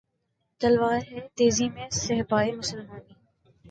تلوار ہے تیزی میں صہبائے مسلمانی